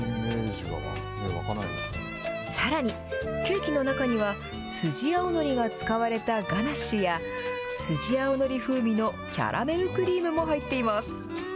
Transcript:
さらに、ケーキの中には、スジアオノリが使われたガナッシュや、スジアオノリ風味のキャラメルクリームも入っています。